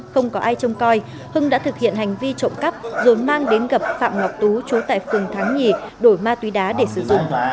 không có ai trông coi hưng đã thực hiện hành vi trộm cắp rồi mang đến gặp phạm ngọc tú chú tại phường thắng nhì đổi ma túy đá để sử dụng